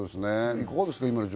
いかがですか？